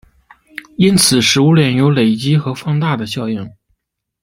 因此食物链有累积和放大的效应。